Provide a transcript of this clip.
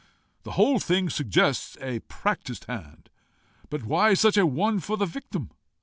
The whole thing suggests a practised hand. But why such a one for the victim?